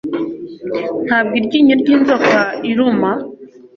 Ntabwo iryinyo ry inzoka iruma